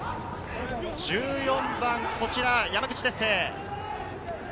１４番・山口輝星。